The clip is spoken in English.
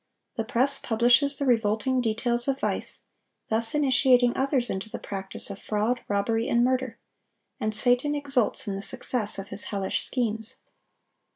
The press publishes the revolting details of vice, thus initiating others into the practice of fraud, robbery, and murder; and Satan exults in the success of his hellish schemes.